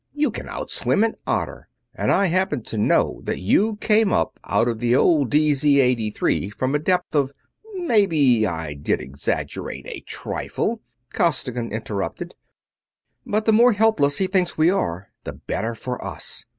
"You can outswim an otter, and I happen to know that you came up out of the old DZ83 from a depth of...." "Maybe I did exaggerate a trifle," Costigan interrupted, "but the more helpless he thinks we are the better for us.